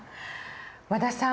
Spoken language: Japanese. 和田さん